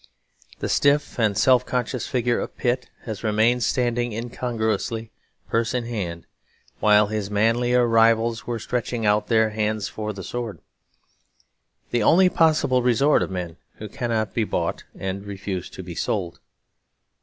The stiff and self conscious figure of Pitt has remained standing incongruously purse in hand; while his manlier rivals were stretching out their hands for the sword, the only possible resort of men who cannot be bought and refuse to be sold.